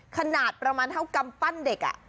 ขนาดประมาณเท่ากำปั้นเด็ก